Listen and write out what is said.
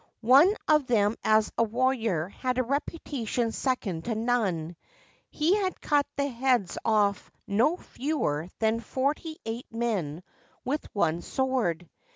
One of them as a warrior had a reputation second to none. He had cut the heads off no fewer than forty eight men with one sword.